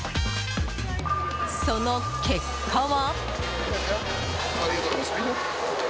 その結果は。